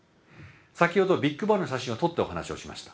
先ほどビッグバンの写真を撮ったお話をしました。